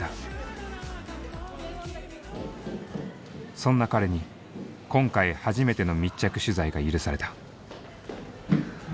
そんな彼に今回初めての密着取材が許された。